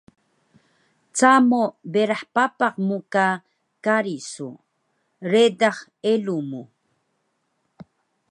Camo berah papak mu ka kari su, ledax elu mu